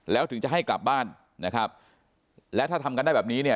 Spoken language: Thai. แล้วถึงจะให้กลับบ้านและถ้าทำกันได้แบบนี้